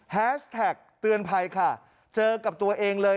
แฮชแท็กเตือนภัยค่ะเจอกับตัวเองเลย